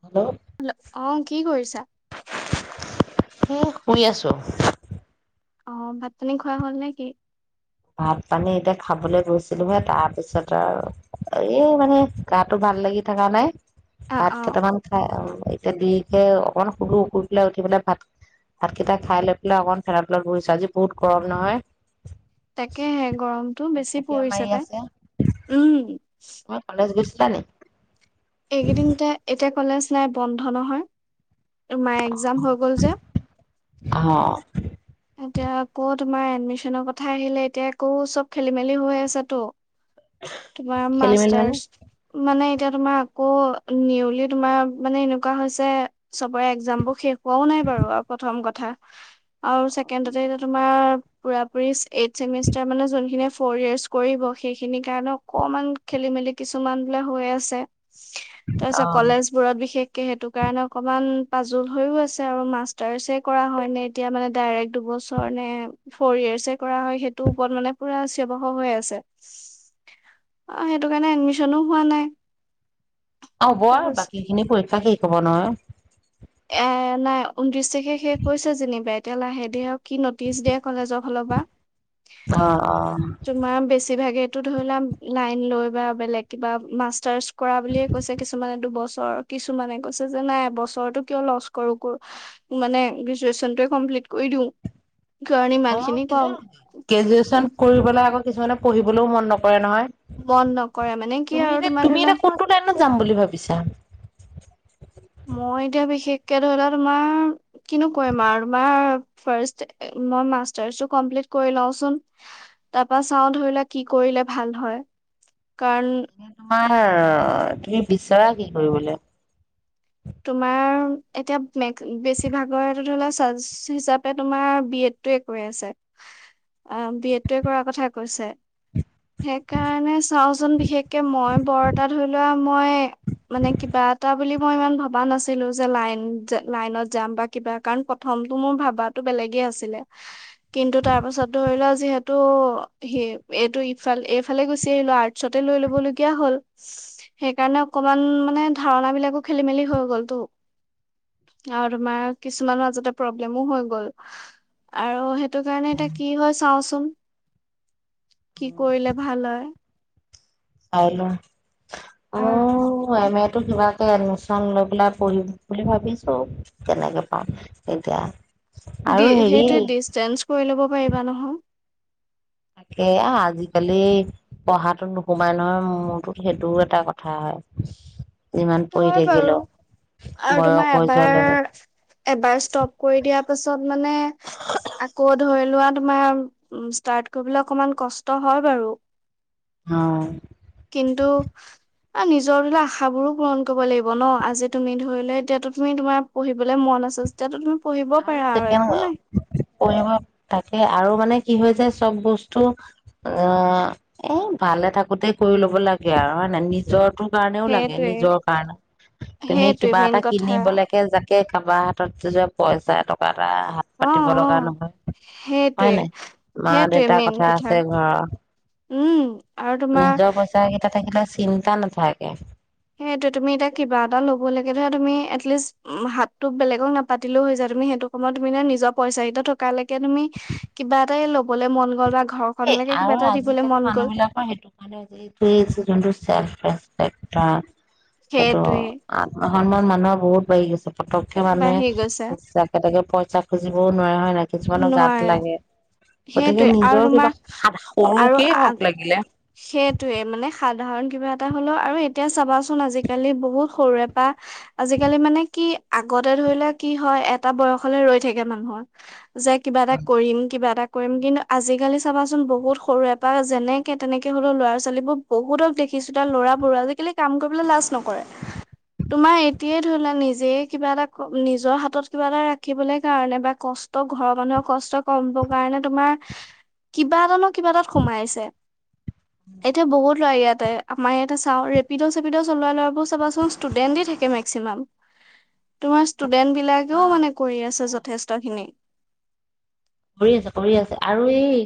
Hello অ কি কৰিছা স শুই আছোঁ অ ভাত পানী খোৱা হল নে কি? ভাত পানী এতিয়া খাবলৈ গৈছিলো হে তাৰপিছত আৰু এই মানে গাটো ভাল লাগি থকা নাই অ অ ভাত কেইটামান খাই এতিয়া দুইকে অকণ শুলু শুই পেলাই উঠি পেলাই ভাত ভাতকেইটা খাই লৈ পেলাই অকমান ফেলাফেলত বইছো আজি বহুত গৰম নহয় তাকেহে গৰমতটো বেছি গুপগুপীয়া পৰিছে ত উম ম পালছ গছ তানে এইকেইদিনতে এতিয়া কলেজ নাই বন্ধ নহয় মায়ে এক্জাম হৈ গল যে অ এতিয়া আকৌ তোমাৰ এডমিশনৰ কথা আহিলে এতিয়া আকৌ চব খেলি মেলি হৈ আছে তো তোমাৰ খেলি মেলি মানে মাষ্টাৰ্চ মানে এতিয়া তোমাৰ আকৌ নিউলি তোমাৰ মানে এনেকুৱা হৈছে চবৰে এক্জাম বোৰ শেষ হোৱাও নাই বাৰু আৰু প্ৰথম কথা কেন ততে এয়া তোমাৰ পুৰা পুৰি এইথ চেমিষ্টাৰ মানে যোনখিনি ফ'ৰ ইয়াৰ্চ কৰিব সেইখিনি কাৰণে অকমান খেলি মেলি কিছুমান বোলে হৈ আছে অ তাৰপিছত কলেজ বোৰত বিশেষ সেইটো কাৰণে অকমান পাজুল হৈয়ও আছে আৰু মাষ্টাৰ্চ কৰা হয় নে এতিয়া মানে ডাইৰেক্ট দুবছৰনে ফৰয়েৰ্চে কৰা হয় খেইটোৰ ওপৰত মানে পোৰা চিঞৰ বাখৰ হৈ আছে অ সেইটোৰ কাৰণে এডমিচ্চনো হোৱা নাই হ'ব আৰু তাৰপিছত বাকী খিনি পৰীক্ষা শেই ক'ব নহয় এ নাই ঊনত্ৰিশ তাৰিখে শেষ কৈছে যেনিবা এতিয়া লাহে দে হক কি নটিচ দিয়ে কলেজক হল পৰা অ অ তোমাৰ বেছিভাগে ধৰি লোৱা লাইন লৈ বা বেলেগ কিবা মাষ্টাৰ্চ কৰা বুলিয়ে কৈছে কিছুমানে দুবছৰ কিছুমানে কৈছে যে নাই বছৰৰতো কিয় লছ কৰো মানে গ্ৰেজুৱচনোৱে কমপ্লিট কৰি দিওঁ কাৰণ অ ইমান খিনি কম গ্ৰেজুৱচন কৰিবলে আগত কিছুমানে পঢ়িবলৈও মন নকৰে ু কটোৱ মন নহয় নকৰে মানে কি তুমি আৰু এতিয়া তোমাৰ ধৰি তুমি লোৱা এতিয়া কোনটো লাইনত যাম বুলি ভাবিছা! হয় মই এতিয়া বিশেষকে ধৰিলৰা তোমাৰ কিনো কৰিম আৰু তোমাৰ ফ্ৰাষ্ট মই মাষ্টাৰ্চো কৰি লওঁ, চাওঁ ধাৰিলৰা কি কৰিলে ভাল হয় কাৰণ হা তুমি বিচৰা কি কৰিবলৈ? তোমাৰ এতিয়া বেছিভাগৰ ধৰিলা হিচাপে তোমাৰ বি এড টোৱে কৰি আছে বি এড টোৱে কৰাৰ কথা কৈছে সেই কাৰণে চাও জন বিশেষ মই বৰটা ধৰি লোৱা মই মানে কিবা এটা বুলি মই ইমান ভাল ভা নাছিলো যেন লাইনত যাম বা কিবা কাৰণ প্ৰথমটো মোৰ ভাবাো বেলেগে আছিলে কিন্তু তাৰ পাছত ধৰিলোৱা যিহেতু সি এইটো ইফাল এইফালে গুচি আহিলো আৰ্টতে লৈ লব লগীয়া হল সেই কাৰণে অকমান মানে ধাৰণা বিলাকো খেলি মেলি হল গৈলটো আৰু তুমাৰ কিছুমান মাজতে প্ৰবলেমু হয় গ'ল আৰু হে সেইটো কাৰণে এয়া কি হয় চাওঁচ কি কৰিলে ভাল হয় আউলো অ আৰু এ মই ত টো কিবা এটা এডমিচন লৈ পেলাই পঢ়িম বুলি ভাবিছো কেনেকে পাওঁ এতিয়া দি আৰু হেৰি সেইটোৱে ডিচটৈঞ্চ কৰি ল'ব পাৰিবা নহয় এয়া আজিকালি পঢ়াতটোত নোসোমাই নহয় মোৰটোত সেইটোও এটা কথা হয় যিমান পঢ়ি হয় বাৰু থাকিলেও আৰু বয়স তোমাৰ হৈ যোৱাৰ লগে এবাৰ এবাৰ ষ্টপ কৰি দিয়াৰ পাছত মানে আকৌ ধৰি লোৱাত তোমাৰ ষ্টাৰ কৰিব অকমান কষ্ট হয় বাৰু আহ কিন্তু আৰু নিজৰ দিলা আশাবোৰো পূৰণ কৰিব লাগিব ন আজি তুমি ধৰি ললে এতিয়াতো তুমি তোমাৰ পঢ়িবলৈ মন আছ তেতিয়াতো তুমি পঢ়িব আৰু পাৰা একো চেকেন্ধ নাই পঢ়ি তাকে আৰু মানে কি হয় যাব চব বস্তু অ এ ভালে থাকোতে কৰি ল'ব লাগে আৰু হয়ে নাই নিজটো নিজৰ কাৰণেও লাগে সেইটোৱে নিজৰ কাৰণে তুমি সেইটোৱে কিবা মেইন এটা কথা কিনিবলৈকে জাকে কাবাৰ হাতত যোৱা পইচা টকা এ হাত অ পাতিব অ লগা নহয় সেইটোৱে হয় নাই মা সেইটোৱে দেউতাৰ মেইন কথা আছে ঘৰৰ উম আৰু তোমাৰ নিজৰ পইচা কেইটা থাকিলে চিন্তা নাথাকে হেইটো তুমি এতিয়া কিবা এটা ল'ব লকে ধৰা তুমি এটলিষ্ট হাতো বেলেগক নাপাতিলেও হৈ য তুমি সেইটো সময়ত তুমি নিজৰ পইচা কিতটা থকালৈকে তুমি কিবা এটাই ল'বলে মন গ'ল বা এই ঘৰখনলৈকে কিবা আৰু এটা দিবলৈ আজিকালি মন গ'ল মানুহ বিলাকৰ সেইটো কাৰণে এইটোই এক্সিদেনটো চেল ফেচ একটা সেইটো সেইটোৱে আ সন্মান মানুহ বহুত বাঢ়ি গৈছে পতকে বাঢ়ি গৈছে মানুহে যাকে তাকে পইচা খোজ দিবওঁ নোৱাৰে হয় না কিছুমানৰ গাত নোৱাৰা লাগে গতিকে সেইটোৱে আৰু নিজৰ তোমাৰ কিবা সৰুকেই আৰু হওক লাগিলে সেইটোয়ে মানে সাধাৰণ কিবা এটা হ'লেও আৰু এতিয়া চাবাচোন আজিকালি বহুত সৰুৰে পৰা আজিকালি মানে কি আগতে ধৰিলে কি হয়, এটা বয়সলে ৰৈ থাকে মানুহৰ। যে কিবা এটা কৰিম কিবা এটা কৰিম কিন্তু আজিকালি চাবাচোন বহুত সৰু এপৰা যেনে তেনেকে হলেও ল'ৰা ছোৱালীবোৰ বহুতক দেখিছো তাৰ লৰাবোৰ আজিকালি কাম কৰিবলৈ লাজ নক তোমাৰ এতিয়া নিজে কিবা এটা নিজৰ হাতত কিবা এটা ৰাখিবলৈ কাৰণে বা কষ্ট ঘৰৰ মানুহৰ কষ্ট কম হৱ কাৰণে তোমাৰ কিবা এটা কিবা এটাত সোমাইছে। এতিয়া বহুত ইয়াতে আমাৰ ইয়াতে চাওঁ ৰেপিড চেপিড চলোৱা ল'ৰাবোৰ চাবাচোন ষ্টুডেণ্টে থাকে মেক্সিমাম। তোমাৰ ষ্টুডেন্ট বিলাকেও মানে কৰি আছে যথেষ্ট খিনি। কৰি আছে কৰি আছে আৰু এই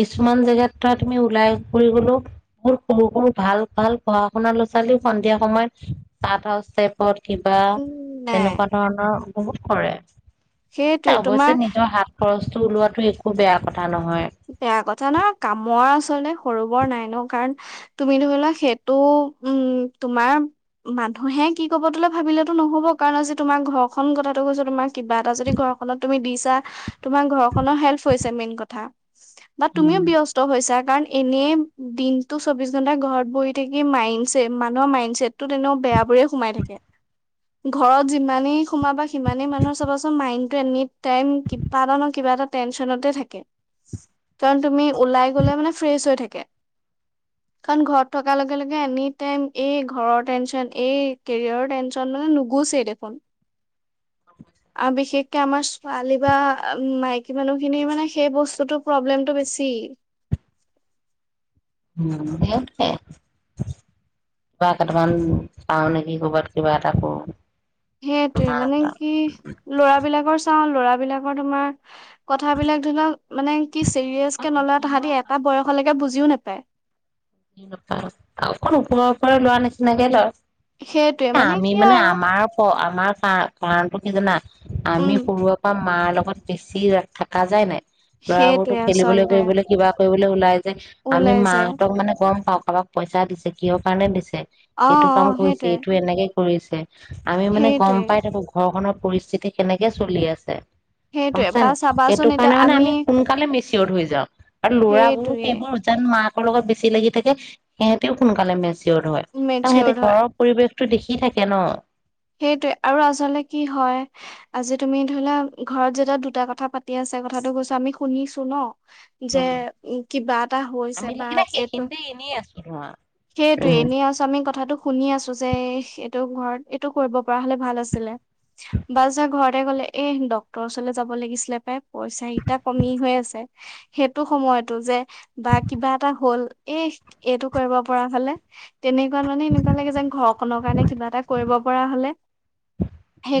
কিছুমান জেগা তাত তুমি ওলাই ফুৰি গলো বহুত সৰু সৰু ভাল ভাল পঢ়া শুনা ল'ৰা ছোৱালী সন্ধিয়া সময়ত চাট হাউচ টাইপত কিবা উম নাই তেনেকুৱা ধৰণৰ বহুত কৰে। সেইটোৱে তোমাৰ অৱশ্যে নিজৰ হাত খৰচ বস্তু ওলোৱাটো একো বেয়া কথা নহয়। বেয়া কথা ন কামৰ আচলতে সৰু বৰ নাই ন কাৰণ তুমি ধৰি লোৱা সেইটো উম তোমাৰ মানুহে কি কব তোলে ভাবিলেতো নহব কাৰণ আজি তোমাৰ ঘৰখন কথাটো কৈছো তোমাৰ কিবা এটা যদি ঘৰখনত তুমি দি তোমাৰ ঘৰখনৰ হেল্প হৈছে মেইন কথা। বা তুমিও উম ব্যস্ত হৈছা। কাৰণ এনেই দিনতটো চৌবিশ ঘন্টা ঘৰত বহি থাকি মাইণ্ড মানুহৰ মাইণ্ড চছেট টো তেনেও বেয়া বোৰে সোমাই থাকে ঘৰত যিমানেই সোমাবা সিমানেই মানুহৰ চাবাচোন মাইণ্ডটো এনি টাইম কিবা এটা ন কিবা এটা টেনচনতে থাকে। কাৰণ তুমি ওলাই গলে মানে ফ্ৰেচ হৈ থাকে। কাৰণ ঘৰত থকাৰ লগে লগে এনি টাইম এই ঘৰৰ টেনচন এই কেৰিয়াৰৰ টেনচন মানে নুগুছেই দেখোন। অ বিশেষকে আমাৰ ছোৱালী বা মাইকী মানুহখিনিৰ মানে সেই বস্তুটোৰ প্ৰব্লেমটো বেছি। উ [unintelligible] সেইে কিবা কেইটামান পাও নেকি কৰ'বাত কিবা এটা কৰো। সেইতোয়ে মানে কি ল'ৰা বিলাকৰ চাওঁ ল'ৰা বিলাকৰ তোমাৰ কথাবিলাক ধৰি লক মানে কি চিৰিয়াচ কে নলয় তাহাঁতি এটা বয়স লেকে বুজিও নোপায়। অকণ ওপৰৰ ওপৰ লোৱাৰ নিচিনাকে সেইটোৱে লয়। আমি কি মানে আৰু আমাৰ আমাৰ কাৰ কি জানা আমি উম সৰুৱা পা মাৰ লগত বেছি ৰা থাকা যায় নাই। লৰাবোৰতো সেইটোৱে খেলিবলৈ আচলতে কৰিবলৈ কিবা কৰিবলৈ ওলাই। যে আমি ওলাই যায় মাহঁতক মানে গম পাওঁ কাৰোবাক পইচা দিছে? কিহৰ কাৰণে দিছে? অ এইটো অ কাম কৰিছে, সেইটোৱে এইটো এনেকে কৰিছে। আমি মানে গম সেইটোৱে পাই থাকো ঘৰখনত পৰিস্থিতি কেনেকে চলি আছে। সেইটোৱে শুনচানে বা নাই চাবাচোন সেইটো এতিয়া কাৰণে মানে আমি সোনকালে মি চিয়াত হৈ যাও, আৰু ল'ৰাবোৰো সেইটোৱে সেইবোৰ যেন মাক লগত বেছি লাগি থাকে সিহঁতেও সোনকালে মেচ য়ড হয়, সিহতিতে মেচিয়ৰ্ড ঘৰৰ পৰিৱেশ টো দেখি থাকে ন। সেইটোয়ে আৰু আচলতে কি হয় আজি তুমি ধৰিলোৱা ঘৰত যেতিয়া দুটা কথা পাতি আছে কথাটো কৈছো আমি শুনিছো ন। যে কিবা এটা হৈছে আমি বা লাগিলে এইটো সেইখিনিতে এনেই আছো ধৰা সেইটোৱেই উম এনে আছো আমি কথাটো শুনি আছো যে এইটো ঘৰত, এইটো কৰিব পৰা হলে ভাল আছিল বা যে ঘৰতে গলে এই ডক্তৰৰ ওচৰলৈ যাব লাগিছিলে পাই পইচা কেইটা কমি হৈ আছে সেইটো সময়তো যে বা কিবা এটা হল এ এইটো কৰিব পৰা হলে তেনেকুৱা মানে এনেকুৱা লাগে যেন ঘৰখনৰ কাৰণে কিবা এটা কৰিব পৰা হ'লে।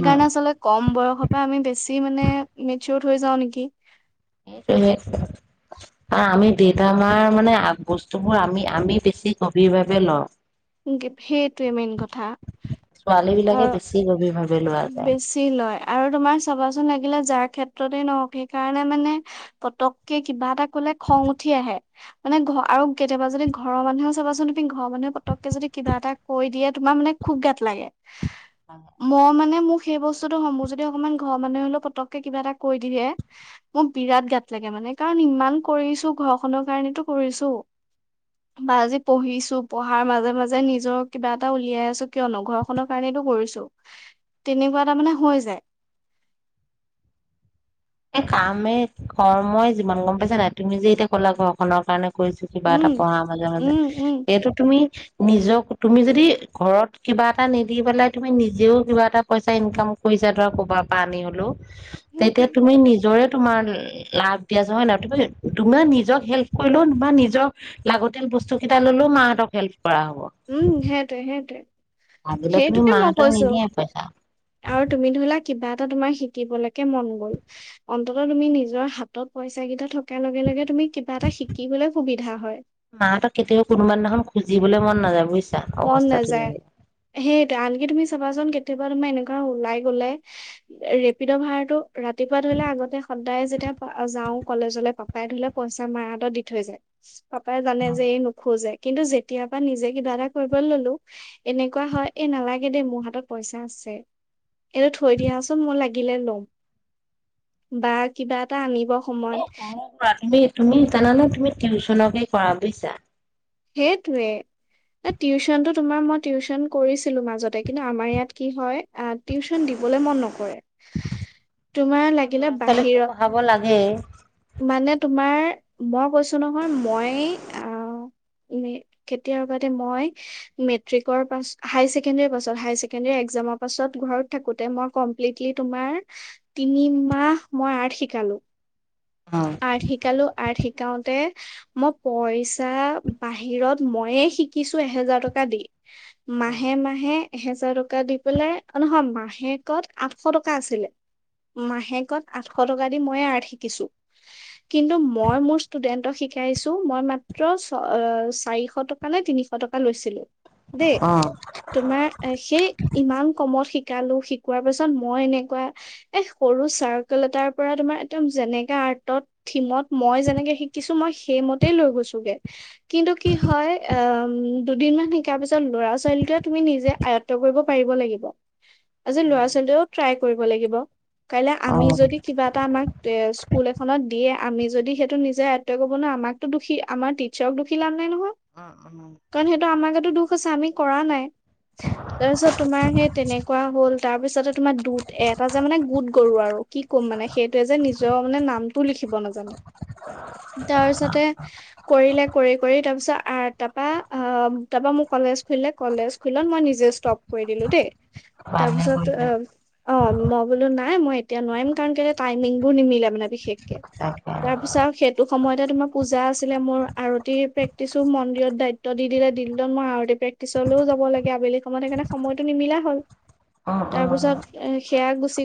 উম, আচলতে কম বয়সৰ পৰা আমি বেছি মানে, মে চিয়দ হৈ যাও নেকি? সেইটোৱেই আৰু আমি দেউতা মাৰ মানে বস্তুবোৰ আমি-আমি বেছি গভীৰভাৱে লওঁ। সেইটোৱে মেইন কথা ছোৱালী বিলাকে বেছি গভীৰ ভাৱে লোৱা আৰু যায় বেছি লয় আৰু তোমাৰ চাবাচোন লাগিলে যাৰ ক্ষেত্ৰতে নহক সেই কাৰণে মানে পতকে কিবা এটা কলে খং উঠি আহে মানে ঘ আৰু কেতিয়াবা যদি ঘৰৰ মানুহেও চাবাচোন তুমি ঘৰৰ মানুহে পতককে যদি কিবা এটা কৈ দিয়ে তোমাৰ মানে খুব গাত লাগে। মই মানে মোক সেই বস্তুটো মোৰ যদি অকমান ঘৰৰ মানুহে হলেও পতককে কিবা এটা কৰি দিয়ে মোৰ বিৰাট গাত লাগে মানে। কাৰণ ইমান কৰিছো ঘৰখনৰ কাৰণেটো কৰিছো বা আজি পঢ়িছো পঢ়াৰ মাজে-মাজে নিজৰ কিবা এটা উলিয়াই আছো কিয়নো ঘৰখনৰ কাৰণেটো কৰিছো। তেনেকুৱা তাৰমানে হৈ যায়। এ কামেই ঘৰ মই যিমান গম পাইছো নাই তুমি যে এতিয়া ক'লা ঘৰখনৰ কাৰণে কৰিছো কিবা এটা উম পঢ়া মাজে-মাজে উম উম এইটো তুমি নিজক তুমি যদি ঘৰত কিবা এটা নিদি পেলাই তুমি নিজেও কিবা এটা পইচা ইনকাম কৰিছা ধৰা কবাৰ পৰা আনি হলেও, তেতিয়া সেইটোৱেই। তুমি নিজৰে তোমাৰ লাভ দিয়া যে হয় নে নাই তুমি তুমি নিজক হেল্প কৰিলেও বা নিজৰ লাগতিয়াল বস্তু কেইটা ললেও মাহঁতক হেল্প কৰা হ'ব উম' সেইটোৱেই-সেইটোৱেই। ভাবিলে তুমি সেইটোকে মই মাহঁতক কৈছো নিদিয়া পইচা আৰু তুমি ধৰিলা কিবা এটা তোমাৰ শিকিবলৈকে মন গ'ল অন্তত তুমি নিজৰ হাতত পইচা কেইটা থকা তাৰ লগে-লগে তুমি কিবা এটা শিকিবলৈ সুবিধা হয়। বোলে মন নাযায় মন অৱস্থাটো এ নাযায়, সেইটো আনকি তুমি চাবাচোন কেতিয়াবা তোমাৰ এনেকুৱা ওলাই গলে ৰেপিড' ভাৰাটো ৰাতিপুৱা ধৰিলে আগতে সদায় যেতিয়া যাওঁ কলেজলে পাপাই ধৰিলে, পইচা মাৰ হাতত দি থৈ যায়। পাপাই জানে যে এই নোখোজে। কিন্তু যেতিয়াৰ পৰা নিজে কিবা এটা কৰিব ললো এনেকুৱা হয় এ নালাগে দেই মোৰ হাতত পইচা আছে, এইটো থৈ দিয়াচোন মই লাগিলে লম বা কিবা এটা আনিব সময়ত [unintelligible] তুমি জানানে তুমি টিউচনকে কৰা বুইছা। সেইটোৱে টিউচনতো তোমাৰ মই টিউচন কৰিছিলো মাজতে কিন্তু আমাৰ ইয়াত কি হয় আহ টিউচন দিবলৈ মন নকৰে। তোমাৰ লাগিলে ল'ৰা ছোৱালীকতো বাহিৰত, পঢ়াব লাগে মানে তু তোমাৰ মই কৈছো নহয় মই, আহ' কেতিয়াবাতে মই মেট্ৰিকৰ পাছ হাই ছেকেণ্ডাৰী পাছত, হাই ছেকেণ্ডাৰী এক্সামৰ পাছত ঘৰত থাকোতে মই কমপ্লিটলি তোমাৰ তিনিমাহ মই আৰ্ট শিকালো। আৰ্ট শিকালো, আৰ্ট শিকাওতে মই পইচা বাহিৰত ময়ে শিকিছো এহেজাৰ টকা দি। মাহে মাহে। এহেজাৰ টকা দি পেলাই, নহয় মাহেকত আঠশ টকা আছিলে, মাহেকত আঠশ টকা দি মইে আৰ্ট শিকিছো। কিন্তু মই মোৰ ষ্টুডেন্টক শিকাইছো মই মাত্ৰ অ' চাৰিশ টকা নে তিনিশ টকা লৈছিলো। দেই, অ তোমাৰ সেই ইমান কমত শি শিকালো, শিকোৱাৰ পাছত মই এনেকুৱা এ সৰু চাৰ্কেল এটাৰ পৰা তোমাৰ একদম যেনেকা আৰ্টত থিমত মই যেনেকে শিকিছো মই সেইমতেই লৈ গৈছোগে। কিন্তু কি হয়, আহ' দুদিনমান শিকাৰ পিছত লৰা ছোৱালীটোৱে তুমি নিজে আয়ত্ব কৰিব পাৰিব লাগিব। আজি লৰা ছোৱালীও ট্ৰাই কৰিব লাগিব। কাইলে আমি অ অ যদি কিবা এটা আমাক এ স্কুল এখনত দিয়ে আমি যদি সেইটো নিজে আয়ত্ব কৰিব নোৱাৰো আমাকতো দুখী, আমাৰ [unintelligible] কাৰণ সেইটো উম, উম। আমাৰ গাটো দু কৈছে আমি কৰা নাই। তাৰপিছত তোমাৰ সেই তেনেকুৱা হল, তাৰ পিছতে তোমাৰ দুট এ এটা যে মানে গোট গৰু আৰু কি ক'ম মানে, সেইটোৱে যে নিজৰ মানে নামটো লিখিব নাজানে। তাৰপিছতে কৰিলে কৰি কৰি তাৰ পিছত আৰ তাৰপা আহ, তাৰপা মোৰ কলেজ খুলিলে কলেজ খুলিলত মই নিজে ষ্টপ কৰি দিলো দেই। ভালে তাৰপিছত কৰিলে অ' অ' মই বোলো নাই নাই মই এতিয়া নোৱাৰিম কাৰণ কে টাইমিং বোৰ নিমিলে মানে বিশেষ তাকে, তাৰ পিছত আৰু সেইটো সময়তে তোমাৰ পূজা আছিলে মোৰ। আৰতি প্ৰেক্টিচো মন্দিৰত দায়িত্ব দি দিলে দিনটো মই আৰতি প্ৰেক্টিচলৈও যাব লাগে আবেলি সময়ত সেইকাৰণে সময়তটো নিমিলা হ'ল। উম, তাৰপিছত উম। এ। সেয়া গোছ।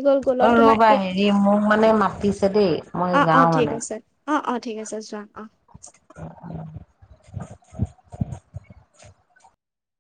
অ ৰবা হেৰি মোক মানে মাতিছে দেই মই অ অ যাও ঠিক মানে। আছে অ অ ঠিক আছে যোৱা অ।